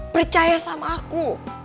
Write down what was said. percaya sama aku